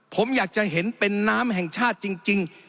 ผมอยากจะเห็นเป็นน้ำแห่งชาติจริง